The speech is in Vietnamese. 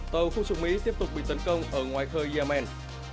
tàu khu trục mỹ tiếp tục bị tấn công ở ngoài khơi yemen